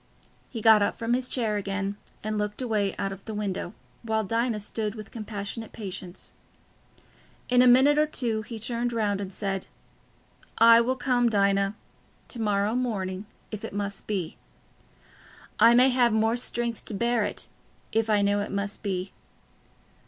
He got up from his chair again and looked away out of the window, while Dinah stood with compassionate patience. In a minute or two he turned round and said, "I will come, Dinah... to morrow morning... if it must be. I may have more strength to bear it, if I know it must be.